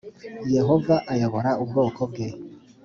yehova ayobora ubwoko bwe